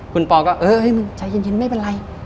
คุณปอก็เออมึงใจเย็นไม่เป็นไร